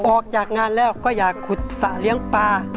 ออกจากงานแล้วก็อยากขุดสระเลี้ยงปลา